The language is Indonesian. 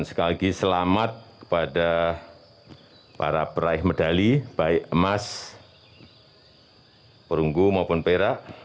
dan sekali lagi selamat kepada para peraih medali baik emas perunggu maupun perak